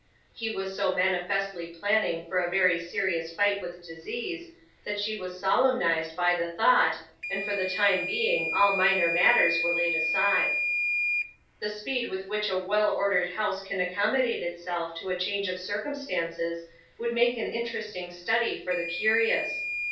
He was so manifestly planning for a very serious fight with disease, that she was solemnized 214 STORMY WEATHER. by the thought, and for the time being all minor matters were laid aside. The speed with which a well ordered house can accommodate itself to a change of circumstances, would make an interesting study for the curious.